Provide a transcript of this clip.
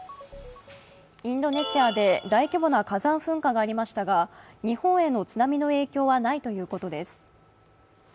インドネシアで大規模な火山噴火がありましたが、日本への津波の影響はないということです。